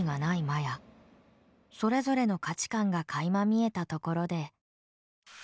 それぞれの価値観がかいま見えたところで。